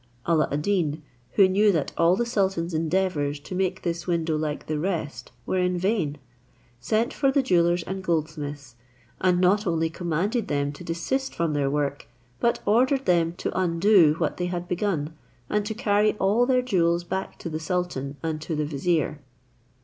A]]a ad Deen, who knew that all the sultan's endeavours to make this window like the rest were in vain, sent for the jewellers and goldsmiths, and not only commanded them to desist from their work, but ordered them to undo what they had begun, and to carry all their jewels back to the sultan and to the vizier.